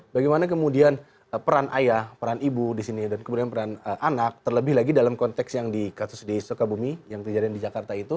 bagaimana kemudian peran ayah peran ibu di sini dan kemudian peran anak terlebih lagi dalam konteks yang di kasus di sukabumi yang terjadi di jakarta itu